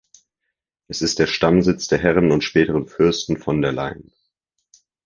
Es ist der Stammsitz der Herren und späteren Fürsten von der Leyen.